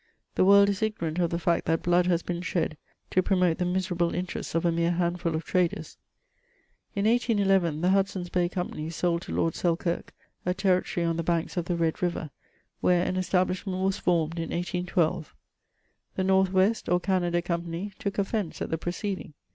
The world is ignorant of the fact that blood has been shed to promote the miserable interests of a mere handful of traders. In 1811 the Hudson's Bay Company sold to Lord Selkirk a territory on the banks of the Red River, where an establishment was formed in 1812. The North West, or Canada Company, took offence at the pro ceeding.